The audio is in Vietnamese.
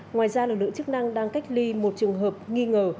ngoài ra lực lượng chức năng đang cách ly một trường hợp nghi ngờ